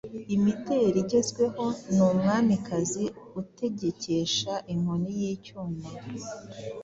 Imideri igezweho ni umwamikazi utegekesha inkoni y’icyuma.